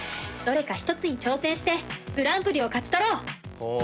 どれか１つに挑戦してグランプリを勝ち取ろう！！」。